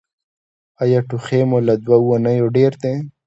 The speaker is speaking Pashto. ایا ټوخی مو له دوه اونیو ډیر دی؟